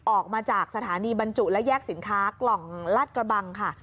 ออกมาจากสถานีบรรจุและแยกสินค้ากล่องลาดกระบังค่ะ